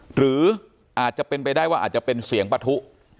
หรืออาจจะเป็นไปได้ว่าเสียงปะทุ